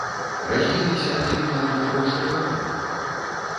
Раз'еліся адзін на аднаго, што каты.